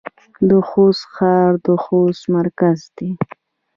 د خوست ښار د خوست مرکز دی